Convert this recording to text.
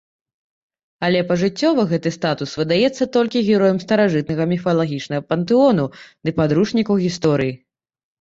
Але пажыццёва гэты статус выдаецца толькі героям старажытнага міфалагічнага пантэону ды падручнікаў гісторыі.